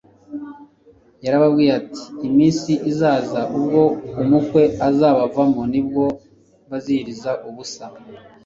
Yarababwiye ati : "Iminsi izaza ubwo umukwe azabavanwamo, nibwo baziyiriza ubusa."